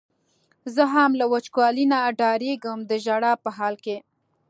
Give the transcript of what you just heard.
زه هم له وچکالۍ نه ډارېږم د ژړا په حال کې.